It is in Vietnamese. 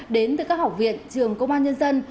đến từ các học viện trường công an nhân dân